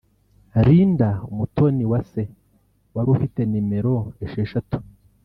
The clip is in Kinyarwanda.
Linda Umutoniwase wari ufite nimero esheshatu